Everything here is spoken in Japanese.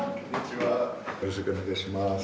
よろしくお願いします。